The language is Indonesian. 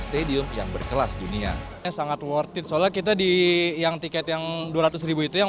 stadium yang berkelas dunia sangat worth it soalnya kita di yang tiket yang dua ratus itu yang